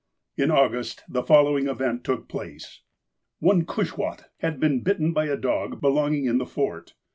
In August, the following event took place : One Cushwaht had been bitten by a dog belonging in the Fort.